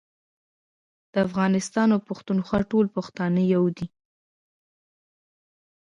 د افغانستان او پښتونخوا ټول پښتانه يو دي